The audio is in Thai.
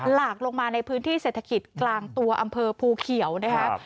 หลากลงมาในพื้นที่เศรษฐกิจกลางตัวอำเภอภูเขียวนะครับ